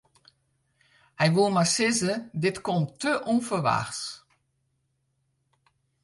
Hy woe mar sizze: dit komt te ûnferwachts.